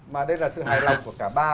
mà đây là sự hài lòng của cả ba giám khảo